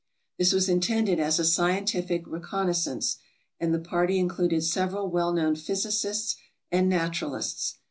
This was intended as a scientific reconnoisance, and the party included several well known physicists and naturalists.